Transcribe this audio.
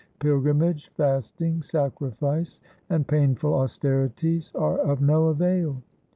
Pilgrimage, fasting, sacrifice, and painful austerities are of no avail.